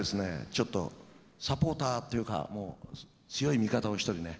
ちょっとサポーターっていうかもう強い味方を１人ね。